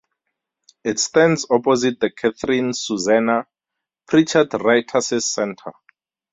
It stands opposite the Katharine Susannah Prichard Writers' Centre.